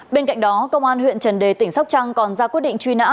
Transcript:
bên cạnh đó công an huyện trần đề tỉnh sóc trăng còn ra quyết định truy nã